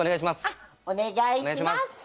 お願いします。